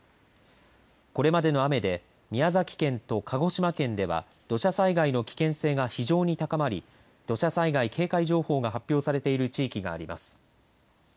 これまでの雨で宮崎県と鹿児島県では土砂災害の危険性が非常に高まり土砂災害警戒情報が発表されている地域があります。